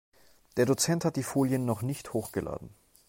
Der Dozent hat die Folien noch nicht hochgeladen.